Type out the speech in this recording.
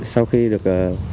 sau khi được